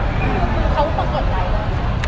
เขามากวดใจเหรอ